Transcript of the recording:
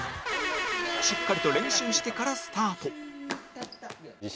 しっかりと練習してからスタート